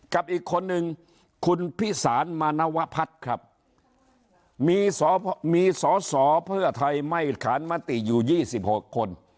กับอีกคนนึงคุณพิสารมานวพัฒน์ครับมีสอสอเพื่อไทยไม่ขานมติอยู่๒๖คน